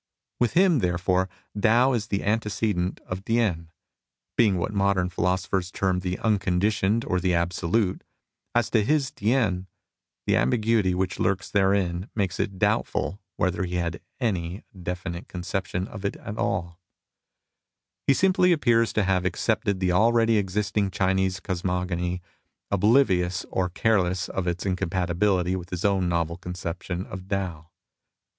With him, therefore, Tao is the antecedent of T'ien, being what modem philo sophers term the Unconditioned or the Absolute. As to his Tien, the ambiguity which lurks therein makes it doubtful whether he had any definite 1 It is translated thus in the acoompanying extracts. TIEN AND TAO COMPARED 17 conception of it at all. He simply appears to have accepted the akeady existing Chinese cosmogony, oblivious or careless of its incom patibility with his own novel conception of Tao.